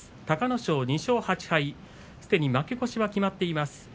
隆の勝は２勝８敗すでに負け越しが決まっています。